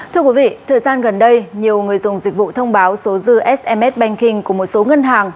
thưa quý vị thời gian gần đây nhiều người dùng dịch vụ thông báo số dư sms banking của một số ngân hàng